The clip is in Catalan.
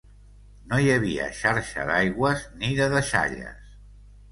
No hi havia xarxa d'aigües ni de deixalles.